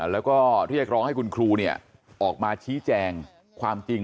แล้วก็เรียกร้องให้คุณครูออกมาชี้แจงความจริง